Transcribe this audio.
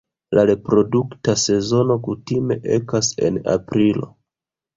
La reprodukta sezono kutime ekas en aprilo.